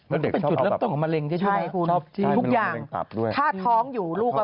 มันเป็นจุดละตรงมะเร็งใช่ไหมครับคุณทุกอย่างถ้าท้องอยู่ลูกก็พิการพูดกันตรง